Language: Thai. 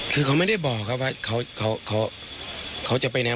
คือเขาไม่ได้บอกครับว่าเขาจะไปแนว